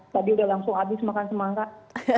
tadi udah langsung habis makan semangka